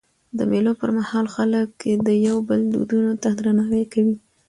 د مېلو پر مهال خلک د یو بل دودونو ته درناوی کوي.